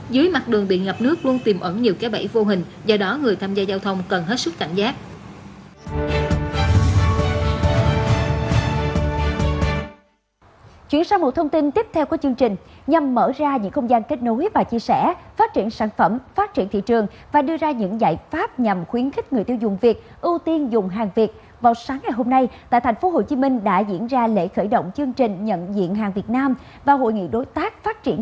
dưới mặt đường bị ngập nước luôn tìm ẩn nhiều cái bẫy vô hình do đó người tham gia giao thông cần hết sức cảnh giác